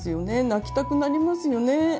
泣きたくなりますよね。